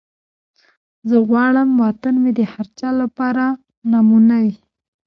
زه غواړم وطن مې د هر چا لپاره نمونه وي.